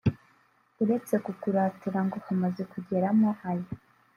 uretse kukuratira ngo hamaze kugeramo aya